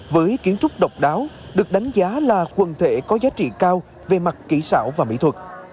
với kiến trúc độc đáo được đánh giá là quần thể có giá trị cao về mặt kỹ xảo và mỹ thuật